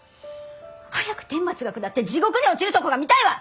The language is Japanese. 早く天罰が下って地獄に落ちるとこが見たいわ！